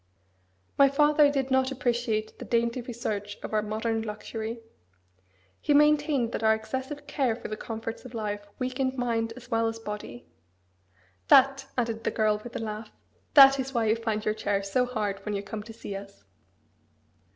My father did not appreciate the dainty research of our modern luxury. He maintained that our excessive care for the comforts of life weakened mind as well as body. That," added the girl with a laugh, "that is why you find your chair so hard when you come to see us."